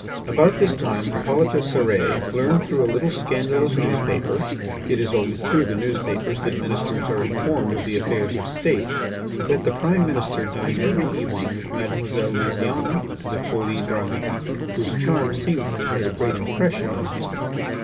About this time Hippolyte Cérès learned through a little scandalous newspaper (it is always through the newspapers that ministers are informed of the affairs of State) that the Prime Minister dined every evening with Mademoiselle Lysiane of the Folies Dramatiques, whose charm seemed to have made a great impression on him.